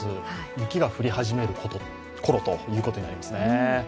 雪が降り始めるころということになりますね。